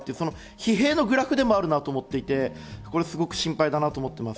疲弊のグラフでもあると思っていて、すごく心配だなと思ってます。